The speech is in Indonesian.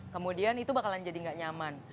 kemudian itu bakalan jadi nggak nyaman